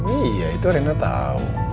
iya itu rina tau